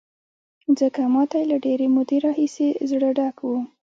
ځکه ما ته یې له ډېرې مودې راهیسې زړه ډک و.